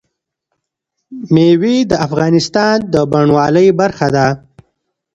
مېوې د افغانستان د بڼوالۍ برخه ده.